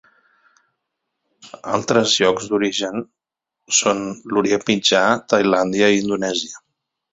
Altres llocs d'origen són l'Orient Mitjà, Tailàndia i Indonèsia.